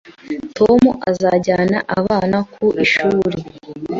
Tom azajyana abana ku ishuri.